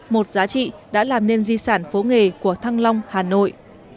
một giá trị đã làm nên di sản phố nghề của thăng long hà nội